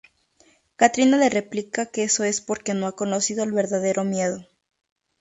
Catrina le replica que eso es porque no ha conocido el verdadero miedo.